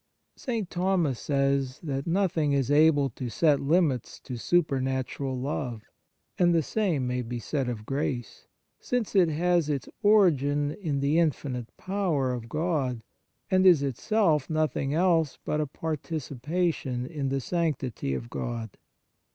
St. Thomas says that " nothing is able to set limits to supernatural love [and the same may be said of grace], since it has its origin in the infinite power of God, and is itself nothing else but a participation in the sanctity of God."